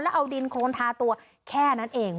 แล้วเอาดินโคนทาตัวแค่นั้นเอง